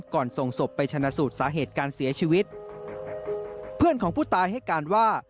ส่งศพไปชนะสูตรสาเหตุการเสียชีวิตเพื่อนของผู้ตายให้การว่า